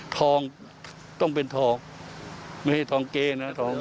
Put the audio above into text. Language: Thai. ทองต้องเป็นทองไม่ใช่ทองเก้นะทอง